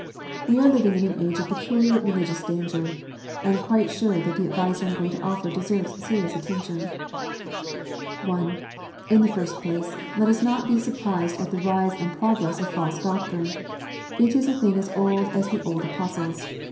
We are living in an age of peculiar religious danger. I am quite sure that the advice I am going to offer deserves serious attention. (1) In the first place, let us not be surprised at the rise and progress of false doctrine. It is a thing as old as the old Apostles.